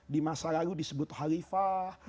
di masa lalu disebut halifah